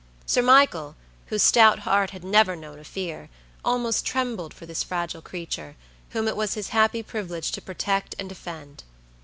Sir Michael, whose stout heart had never known a fear, almost trembled for this fragile creature, whom it was his happy privilege to protect and defend.